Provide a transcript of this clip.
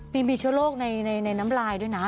มีเชื้อโรคในน้ำลายด้วยนะ